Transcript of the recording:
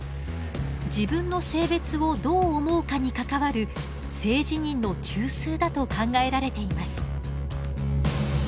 自分の性別をどう思うかに関わる性自認の中枢だと考えられています。